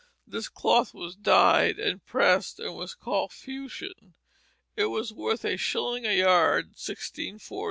This cloth was dyed and pressed and was called fustian. It was worth a shilling a yard in 1640.